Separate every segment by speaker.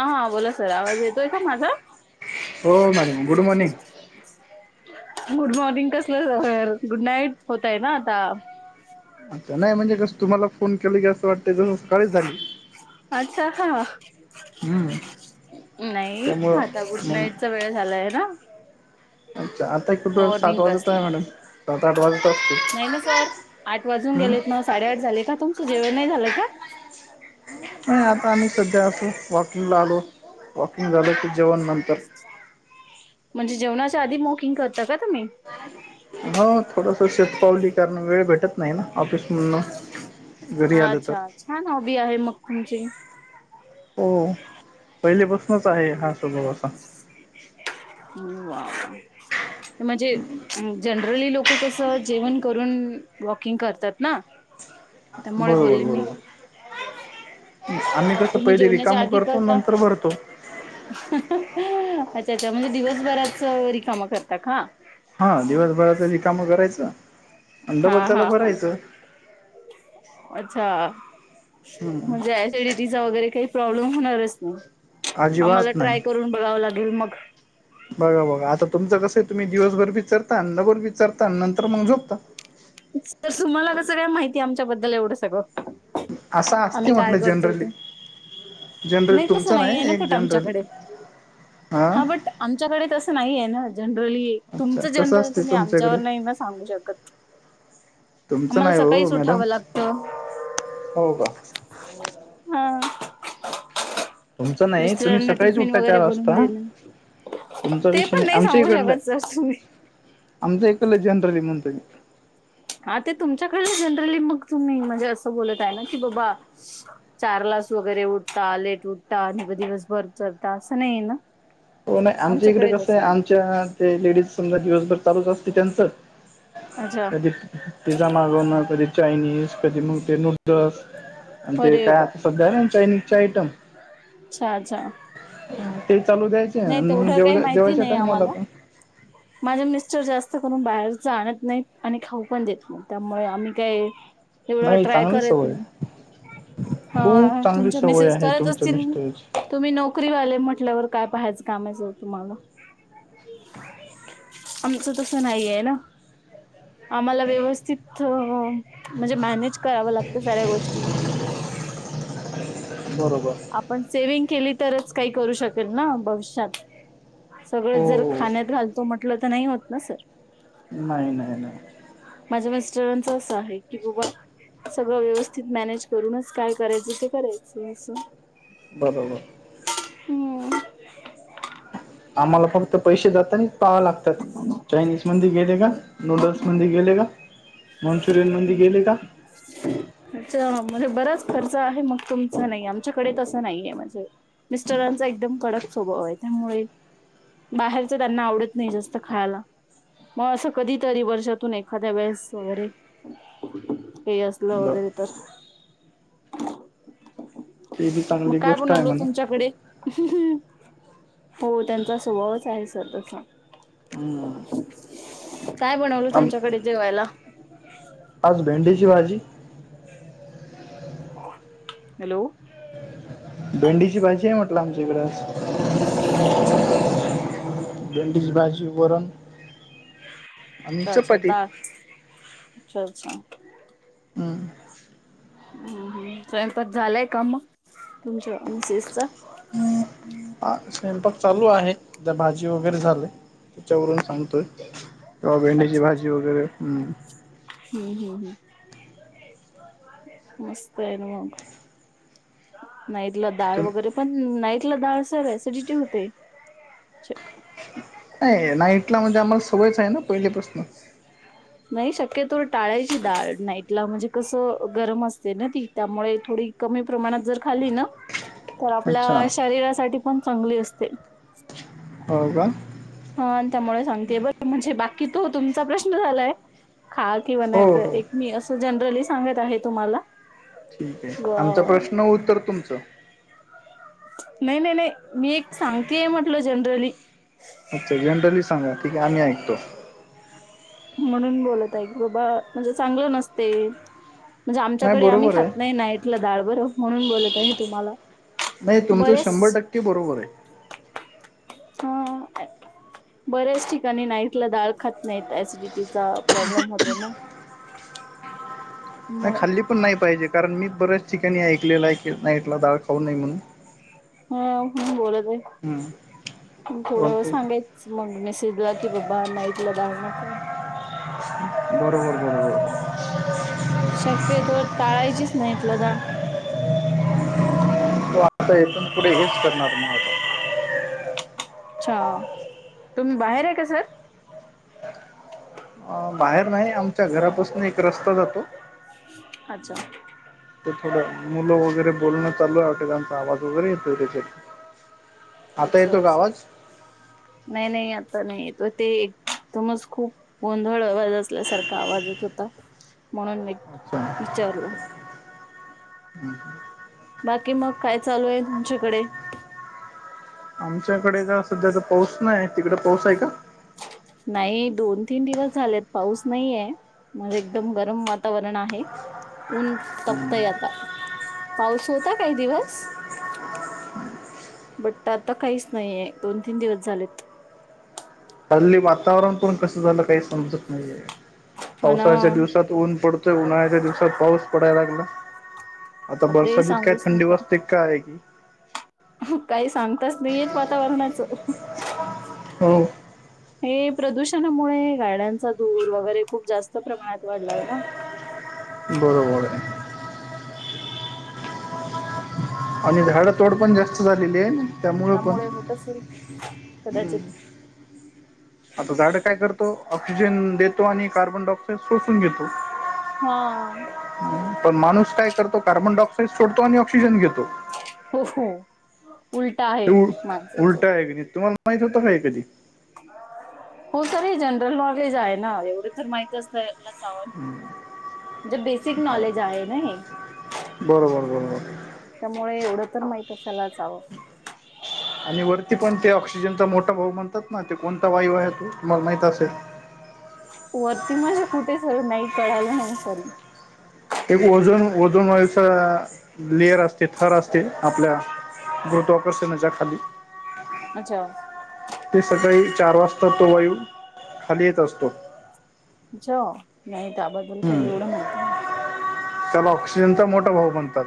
Speaker 1: हां हां बोला सर आवाज येतोय का माझा?
Speaker 2: हो madam good morning.
Speaker 1: Good morning कसलं सर गुड नाईट होतंय ना आता.
Speaker 2: अच्छा नाही म्हणजे कसं तुम्हाला फोन केलं की असं वाटतं जसं सकाळचं झाली.
Speaker 1: अच्छा का?
Speaker 2: हम्म
Speaker 1: नाही
Speaker 2: त्यामुळं
Speaker 1: आता गुड
Speaker 2: मग
Speaker 1: नाईटचा वेळ झालाय ना.
Speaker 2: अच्छा आता कुठं सात
Speaker 1: मॉर्निंग
Speaker 2: वाजत
Speaker 1: कसली
Speaker 2: आहे मॅडम. सात आठ वाजत असतील
Speaker 1: नाही ना सर आठ वाजून
Speaker 2: हम्म.
Speaker 1: गेलेत ना साडेआठ झाले का तुमचं जेवण नाही झालं का?
Speaker 2: नाही आता आम्ही सध्या अस वॉकिंगला आलो वॉकिंग झालं की जेवण नंतर.
Speaker 1: म्हणजे जेवणाच्या आधी मॉकिंग करता का तुम्ही?
Speaker 2: हो थोडंसं शतपावली करण वेळ भेटत नाही ना ऑफिस मधन.
Speaker 1: अच्छा छान हॉबी आहे म ग तुमची.
Speaker 2: हो पहिलेपासूनच आहे हा स्वभाव असा.
Speaker 1: म्हंजे. जनरली लोक कसं जेवण करून वॉकिंग करतात ना.
Speaker 2: [inaudible]
Speaker 1: त्यामुळे
Speaker 2: बरोबर
Speaker 1: बोलली मी.
Speaker 2: बरोबर आम्ही कसं
Speaker 1: तुम्ही
Speaker 2: पहिले
Speaker 1: जेवणाच्या
Speaker 2: रिकाम
Speaker 1: आधी
Speaker 2: करतो
Speaker 1: करता
Speaker 2: नंतर भरतो.
Speaker 1: अच्छा अच्छा म्हणजे दिवसभराच रिकामा करतात का?
Speaker 2: हां दिवसभराच रिकामं करायचं डबल
Speaker 1: हां
Speaker 2: त्याला
Speaker 1: हां हां
Speaker 2: भरायचं
Speaker 1: अच्छा.
Speaker 2: हम्म
Speaker 1: म्हणजे ऍसिडिटीचा वगैरे काही प्रॉब्लेम होणारच नाही. आम्हाला
Speaker 2: अजिबात
Speaker 1: ट्राय
Speaker 2: नाही
Speaker 1: करून बघाव लागेल मग.
Speaker 2: बघा बघा आता तुमचं कसंय तुम्ही दिवसभर बी चरता, डबल बी चरता नंतर मग झोपता.
Speaker 1: तर तुम्हाला कसं काय माहिती आमच्याबद्दल एवढं सगं
Speaker 2: असं असते
Speaker 1: आम्ही काय
Speaker 2: म्हटलं
Speaker 1: करतो
Speaker 2: जनरली
Speaker 1: ते नाही
Speaker 2: जनरली
Speaker 1: तसं
Speaker 2: तुमचं
Speaker 1: नाही आहे ना
Speaker 2: एक
Speaker 1: पट
Speaker 2: जनरली
Speaker 1: आमच्याकडे हा बट आमच्याकडे तसं नाही आहे ना जनरली
Speaker 2: अच्छा
Speaker 1: तुमचं
Speaker 2: कसं
Speaker 1: जनरल
Speaker 2: असते
Speaker 1: तुम्ही
Speaker 2: तुमच्याकडे
Speaker 1: आमच्यावर नाही ना सांगू शकत
Speaker 2: तुमचं
Speaker 1: आम्हाला
Speaker 2: नाही हो
Speaker 1: सकाळीच
Speaker 2: मॅडम
Speaker 1: उठावं लागतं
Speaker 2: हो का
Speaker 1: हा
Speaker 2: तुमचं नाही तुम्ही
Speaker 1: मिस्टरांना
Speaker 2: सकाळीच
Speaker 1: टिफिन
Speaker 2: उठता चार
Speaker 1: वगैरे बनवून
Speaker 2: वाजता
Speaker 1: देणं
Speaker 2: तुमचा
Speaker 1: ते
Speaker 2: विषय
Speaker 1: पण
Speaker 2: नाही आमच्या
Speaker 1: सांगू
Speaker 2: इकडलं
Speaker 1: शकत सर तुम्ही
Speaker 2: आमच इकडलं जनरली म्हणतो म्ही
Speaker 1: हा ते तुमच्याकड जनरली मग तुम्ही म्हणजे असं बोलत आहे ना की बाबा चार लास वगैरे उठता लेट उठता आणि दिवस भर चलता असं नाहीय ना
Speaker 2: हो नाही आमच्या इकडे
Speaker 1: आमच्याकडे
Speaker 2: कसं आहे
Speaker 1: तसं नाही
Speaker 2: आमच्या ते लेडीज समजा दिवसभर चालूच असते त्यांचं
Speaker 1: अच्छा
Speaker 2: कधी पिझ्झा मागवण कधी चायनीज कधी मग ते नूडल्स आणि ते
Speaker 1: अरे
Speaker 2: काय
Speaker 1: बा
Speaker 2: आता सद्धा आहे ना चायनीजचे आयटम
Speaker 1: अच्छा अच्छा
Speaker 2: ते चालू द्यायचे
Speaker 1: नाही
Speaker 2: आणि
Speaker 1: तेवढं
Speaker 2: जेव
Speaker 1: काही
Speaker 2: जेवायच्या टामला तर
Speaker 1: माझं मिस्टर जास्त करून बाहेरच आणत नाही आणि खाऊ पण देत नाही त्यामुळे आम्ही काही एवढं
Speaker 2: नाही
Speaker 1: ट्राय
Speaker 2: चांगली
Speaker 1: करत
Speaker 2: सवय
Speaker 1: मी
Speaker 2: खूप
Speaker 1: हा
Speaker 2: चांगली
Speaker 1: तुमच्या
Speaker 2: सवय
Speaker 1: मिेसेस
Speaker 2: आहे
Speaker 1: करत
Speaker 2: तुमच्या
Speaker 1: असतील
Speaker 2: मिस्टरची
Speaker 1: तुम्ही नोकरीवाले म्हटल्यावर काय पाहायचं कामायचं तुम्हाला आमचं तस नाही आहे ना आम्हाला व्यवस्थित म्हणजे मॅनेज करावं लागतं साऱ्या गोष्टी
Speaker 2: बरोबर
Speaker 1: आपण सेव्हंग केली तरच काही करू शकेल ना भविष्यात
Speaker 2: हो
Speaker 1: सगळं जर
Speaker 2: हो
Speaker 1: खाण्यात घालतो म्हटलं तर नाही होत ना सर
Speaker 2: नाही नाही नाही
Speaker 1: माझ्या मिस्टरांचं असं आहे की बाबा सगळं व्यवस्थित मॅनेज करूनच काय करायचं ते करायचं अस
Speaker 2: बबाबा
Speaker 1: हम्म
Speaker 2: आम्हाला फक्त पैसे जाता आणिच पाहाव लागतात चायनीज मंदी गेले का नूडल्स मंदी गेले का मंचुरियन मंदी गेले का
Speaker 1: अच् म्हणजे बराच खर्च आहे मग तुमचा नाही आमच्याकडे तसं नाही आहे म्हणझे मिस्टरांचा एकदम कडक स्वभाव आहे त्यामुळे बाहेरच त्यांना आवडत नाही जास्त खायला मग असं कधीतरी वर्षातून एखाद्या वेळेस वगैरे हे असत लं वगैरे
Speaker 2: बरं
Speaker 1: तस
Speaker 2: ते बी
Speaker 1: मग
Speaker 2: चांगली
Speaker 1: काय
Speaker 2: गोष्ट आहे
Speaker 1: बनवल
Speaker 2: म्हणा
Speaker 1: तुमच्याकडे हो त्यांचा स्वभावच आहे सर तसा
Speaker 2: हम्म.
Speaker 1: काय बनवल
Speaker 2: आम-
Speaker 1: तुमच्याकडे जेवायला
Speaker 2: आज भेंडीची भाजी
Speaker 1: हॅलो
Speaker 2: भेंडीची भाजी आहे म्हटलं आमच्याकडें
Speaker 1: अच्छा
Speaker 2: बंडिज बाँजी बरून
Speaker 1: अच्छा अच्छा दास अच्छा अच्छा
Speaker 2: हम
Speaker 1: ह स्वयंपाात झालंय का मग तुमच्या मिसेसचा
Speaker 2: ह स्वयंपाक चालू आहे त्या भाजी वगैरे झाले त्याच्यावरून सांगतोय क्हा भेंडीची भाजी वगैरे हम्म
Speaker 1: हम् हम् हम् मस्त आहे ना मग नाहीतला डाळ
Speaker 2: तुम
Speaker 1: वगैरे. पण नाईटला ाळसर सिडिटी होते.
Speaker 2: नाही नाईटला म्हणजे आम्हाला सोवयच आहे ना पहिले प्रश्न.
Speaker 1: नाही शक्यतो टाळायची डाळ नाईटला म्हणजे कसं गरम असते ना ती त्यामुळे थोडी कमी प्रमाणात जर खाली ना.
Speaker 2: [inaudible]
Speaker 1: तर
Speaker 2: अच्छा
Speaker 1: आपल्या शरीरासाठी पण चांगली असते.
Speaker 2: हो का.
Speaker 1: हा आणि त्यामुळे सांगतेय बरं म्हणजे बाकी तो तुमचा प्रश्न झालाय खास. किंवा
Speaker 2: हो
Speaker 1: नाही
Speaker 2: हो
Speaker 1: एक मी असं जनरली सांगत आहे तुम्हाला.
Speaker 2: ठीक आहे आमचा
Speaker 1: किंवा
Speaker 2: प्रश्न उत्तर तुमचं.
Speaker 1: नाही नाही नाही मी एक सांगतेय म्हटल जनरली.
Speaker 2: अच्छा जनरली सांगा ठीक आहे आम्ही ऐकतो.
Speaker 1: म्हणून बोलत आहे की बाबा म्हणजे चांगलं नसते. म्हणजे
Speaker 2: नाही
Speaker 1: आमच्याकडे आम्ही
Speaker 2: बरोबर
Speaker 1: खात
Speaker 2: आहे
Speaker 1: नाही नाईटलं डाळ बरं म्हणून बोलत आहे तुम्हाला.
Speaker 2: नाही तुमचं शंभर
Speaker 1: बरेच
Speaker 2: टक्के बरोबर आहे.
Speaker 1: हा. बऱ्याच ठिकाणी नाईथला डाळ खात नाही सिडिटीचा प्रॉब्लेम होतो ना.
Speaker 2: नाही
Speaker 1: मग
Speaker 2: खाल्ली पण नाही पाहिजे कारण मी बऱ्याच ठिकाणी ऐकलेलं आहे की नाईटला ाळ खाऊ नाही म्हणून.
Speaker 1: हा म बोलत आहे.
Speaker 2: हम्.
Speaker 1: थोडं सांगायचं मग मेसेजला की बाबा नाईट ला द नक.
Speaker 2: बरोबर बरोबर.
Speaker 1: ह. शक्यतो टाळायचीच नाहीत ल द.
Speaker 2: त आता इथून पुढे हेच करणार मग आता.
Speaker 1: अच्छा तुम् बाहेर आहे का सर.
Speaker 2: अ बाहेर नाही आमच्या घरापासून एक रस्ता जातो.
Speaker 1: अच्छा.
Speaker 2: ते थोडं मुलं वगैरे बोलण चालू त्यांचा आवाज वगैरे येतो.. ह.. आता
Speaker 1: अच्छा अच्छा..
Speaker 2: [unintelligible]
Speaker 1: नाही नाही आता नाहीेत ते एकदमच खूप. गोंधळ आवाज असल्यासारखा आवाजच होता म्हणून मी विचारलं..
Speaker 2: हम् ह..
Speaker 1: बाकी मग काय चालू आहे तुमच्याकडे.
Speaker 2: आमच्याकडे ज सध्याचा पाऊस नाही तिकड पाऊस आहे का?.
Speaker 1: नाही दोन तीन दिवस झालेत पाऊस नाहीे.. म्हणजे एकदम गरम वातावरण आहे ऊन तपतय आता. पाऊस होता काही दिवस. बट आता काहीच नाहीये दोन तीन दिवस झालेत..
Speaker 2: हल्ली वातावरण पण कस झालं काही समजत नाहीये
Speaker 1: हा ना
Speaker 2: पावसाळच्या दिवसात. ऊन पडतोय उन्हाळ्याच्या दिवसात पाऊस पडायला लागला आता
Speaker 1: बापरे
Speaker 2: बरसाातत काय
Speaker 1: सांगूच
Speaker 2: थंडी
Speaker 1: नका
Speaker 2: वाजते.. का आहे क.
Speaker 1: काही सांगताच नाही येत वातावरणाचं..
Speaker 2: हो..
Speaker 1: हे प्रदूषणामुळे गाड्यांचा धूर वगैरे खूप जास्त प्रमाणात वाढला हो ना..
Speaker 2: बरोबर आहे.. आणि झाडं तोड पण जास्त झालेली आहे. त्यामुळं पण
Speaker 1: त्यामुळे होत असेल कदाचित
Speaker 2: आता झाडं काय करतो ऑक्सिजन देतो आणि कार्बन डाय ऑक्साइड सोसून घेतो.
Speaker 1: हा.
Speaker 2: ण माणूस काय करतो कार्बन डायऑक्साइड सोडतो आणि ऑक्सिजन घेतो.
Speaker 1: हो. उलट
Speaker 2: ते
Speaker 1: आहे माणसाच
Speaker 2: उलटा आहे क तुम्हाला माहित होतं का कधी?
Speaker 1: हो तर हे जनरल नॉलेज आहे ना एवढं तर माहिती तसव जे बेसिक नॉलेज आहे ना हे.
Speaker 2: बरोबरं बरोंबर.
Speaker 1: त्यामुळे एवढं तर माहित असायलाचवं.
Speaker 2: आणि वरती पण ते ऑक्सिजनचा मोठा भाव म्हणतात ना ते कोणता वायू आहे तो तुम्हाला माहित असेल.
Speaker 1: वरती माझे कुठे सर नाही कळालं नाही सर
Speaker 2: एक ओजन ओजन वस लेअर असते थर असते आपल्या गुरुत्वाकर्षणाच्या खाली
Speaker 1: अच्छा.
Speaker 2: ते सकाळी चार वाजता तो वायू खाली येत असतो.
Speaker 1: जा नाही त्याबद्दल काही
Speaker 2: हम्म.
Speaker 1: एवढं माहिती नाही.
Speaker 2: त्याला ऑक्सिजनचा मोठा भाव म्हणतात.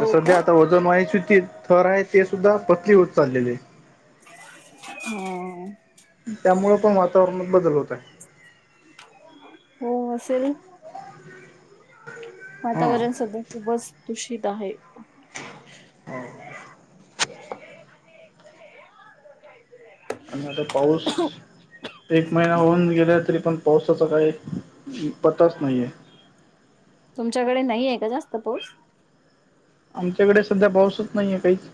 Speaker 2: तर
Speaker 1: का
Speaker 2: सध्या आता वजन व्हायची ती थर आहे ते सुद्धा पतली होत चाललेली आहे.
Speaker 1: हम्.
Speaker 2: त्यामुळे पण वातावरणात बदल होत आहे.
Speaker 1: हो असेल.
Speaker 2: हा
Speaker 1: वातावरण सधा खूपच दुषित आहे.
Speaker 2: हो. आणि आता पाऊस एक महिना होऊन गेला तरी पण पावसाचा काही पताच नाही आहे.
Speaker 1: तुमच्याकडे नाहीये का जास्त पाऊस
Speaker 2: आमच्याकडे सध्या पाऊसच नाहीये काहीच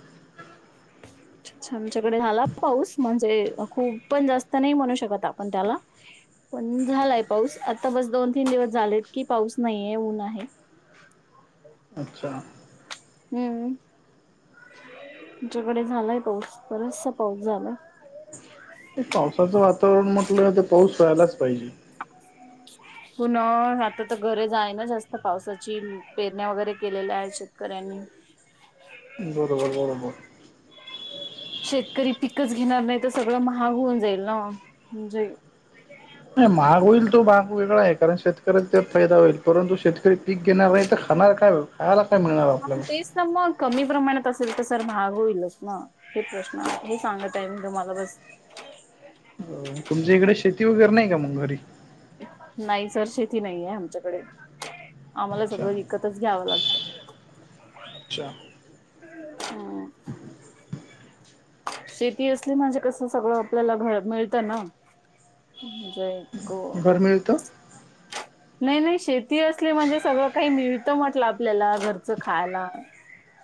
Speaker 2: [inaudible]
Speaker 1: अच्छ आमच्याकडे झाला पाऊस म्हणजे खूप पण जास्त नाही म्हणू शकत आपण त्याला पण झालाय पाऊस आता बस दोन तीन दिवस झालेत की पाऊस नाहीे ऊन आहे
Speaker 2: अच्छा
Speaker 1: हम्म तुमच्याकडे झालाय पाऊस बराचसा पाऊस झालाय
Speaker 2: एक पावसाचं वातावरण म्हटलं ते पाऊस रा्हायलाच पाहिजे ह
Speaker 1: पुन आता तर घरे जा आहे ना जास्त पावसाची पेरण्या वगैरे केलेल्या आहेत शेतकऱ्यांनी
Speaker 2: बरोबर बरोबर
Speaker 1: शेतकरी पिकच घेणार नाही तर सगळं महाग होऊन जाईल ना म्हणजे
Speaker 2: नाही महाग होईल तो महाग वेगळा आहे कारण शेतकऱ्याचा त्यात फायदा होईल परंतु शेतकरी पीक घेणार नाही तर खाणार काय खयला काय मिळणार
Speaker 1: हा
Speaker 2: आपल्याला
Speaker 1: तेच मग कमी प्रमाणात असेल तर सर भाग होईलच मग हे प्रश्न हे सांगत आहे मी तुम्हाला बस
Speaker 2: तुमच्या इकडे शेती वगैरे नाही का मग घरी
Speaker 1: नाही सर शेती नाही आहे आमच्याकडे आम्हाला
Speaker 2: अच्छा
Speaker 1: सगळं विकतच घ्यावं लागतं
Speaker 2: अच्छा
Speaker 1: हम् शेती असली म्हणजे कसं सगळं आपल्याला घ मिळतं ना जयक
Speaker 2: मिळतो
Speaker 1: नाही नाही शेती असली म्हणजे सगळं काही मिळत म्हटलं आपल्याला घरचं खायला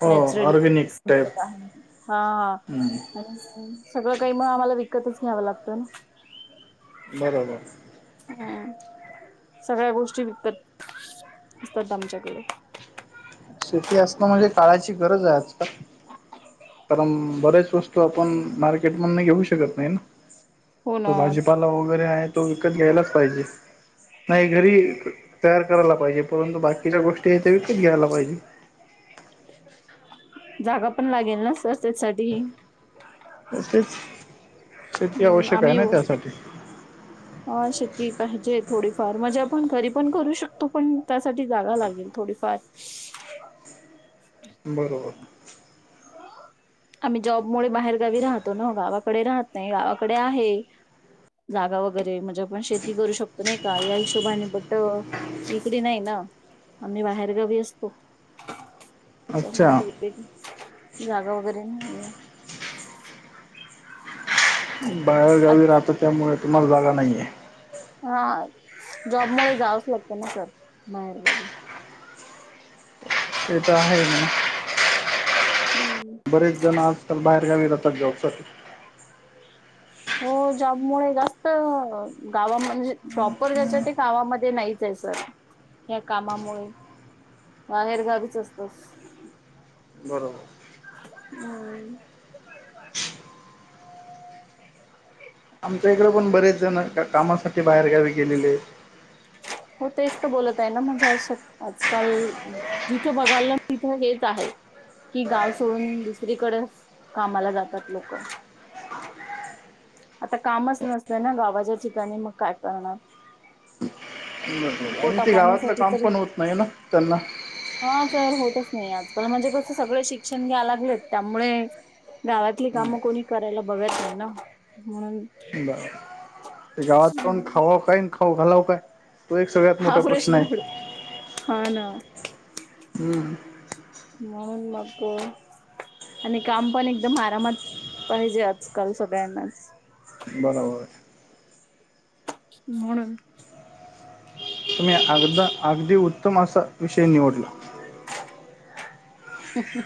Speaker 2: हो
Speaker 1: नॅचरली
Speaker 2: ऑर्गॅनिक टाईप
Speaker 1: हा
Speaker 2: हम्म
Speaker 1: आणि सगळं काही म आम्हाला विकतच घ्यावं लागतं ना
Speaker 2: बरोबर
Speaker 1: हम सगळ्या गोष्टी विकत विकतात आमच्याकडे
Speaker 2: शेती असतं म्हणजे काळाची गरज आहे आजकाल कारण बरेच वस्तू आपण मार्केट मध घेऊ शकत नाही ना
Speaker 1: हो
Speaker 2: तो
Speaker 1: ना
Speaker 2: भाजीपाला वगैरे आहे तो विकत घ्यायलाच पाहिजे नाही घरी तयार करायला पाहिजे परंतु बाकीच्या गोष्टी आहेत त्या विकत घ्यायला पाहिजे
Speaker 1: जागा पण लागेल ना सर त्यासाठी
Speaker 2: तेच शेती आवश्यक आहे ना त्यासाठी
Speaker 1: हा शेती पाहिजे थोडीफार मजा पण घरी पण करू शकतो पण त्यासाठी जागा लागेल थोडीफार
Speaker 2: हो
Speaker 1: ह
Speaker 2: बरोबर ह
Speaker 1: आम्ही जॉब मु बाहेर गावी राहतो ना गावाकडे राहत नाही गावाकडे आहे जागा वगैरे म्ह पण शेती करू शकतो नाही का या हिशोबाने बट इकडे नाही ना आम्ही बाहेरगावी असतो त्यामुळे
Speaker 2: अच्छा
Speaker 1: ते जागा वगैरे नाहीे
Speaker 2: बाहेरगावी राहत त्यामुळे तुम्हाला जागा नाहीये
Speaker 1: हा जॉब मु जावंच लागतं ना स बाहेर गाडी
Speaker 2: उदाहरण
Speaker 1: हम्
Speaker 2: बरेच जण आजकाल बाहेरगावी राहतात जॉब साठी
Speaker 1: हो जबमुळे जास्त गावा म्हणजे प्रॉपर घ्यायच ते काावामध्ये नाहीच आहे सर या्या कामामुळे बाहेर गावीच असतस
Speaker 2: बरोबर,
Speaker 1: हम्म,
Speaker 2: आमच्या इकडे पण बरेच जण त्या कामासाठी बाहेर गावी गेलेले आहे.
Speaker 1: हो तेच तर बोलत आहे ना म्हणजे अशक्य आजकाल. जिथं बघायलं ना तिथं हेचं आहे. कि गाव सोडून दुसरीकडे कामाला जातात. लोक आता कामचं नसत ना गावाच्या ठिकाणी मग काय करणार
Speaker 2: बरं आणि
Speaker 1: पोटा
Speaker 2: ते गावातलं
Speaker 1: पाण्यासाठी
Speaker 2: काम
Speaker 1: तरी
Speaker 2: पण होत. नाही ना त्यांना
Speaker 1: हा सर होतचं नाही आजकाल म्हणजे कसं सगळे शिक्षण घ्याला लागलेत त्यामुळे गावातली कामे कोणी करायला बघत नाही ना म्हणून,
Speaker 2: बरं ते गावात खावा काय खाऊ घालावं काय तो एक सगळ्यात
Speaker 1: हा
Speaker 2: मोठा प्रश्न आहे
Speaker 1: पुढे हा ना
Speaker 2: हम्म,
Speaker 1: मन मग् आणि काम पण एकदम, आरामात पाहिजे आजकाल सगळ्यांनाचं
Speaker 2: बरोबर.
Speaker 1: म्हणून
Speaker 2: तुम्ही अगदा अगदी उत्तम असं विषयी निवडला
Speaker 1: हू हू